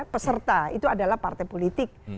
peserta itu adalah partai politik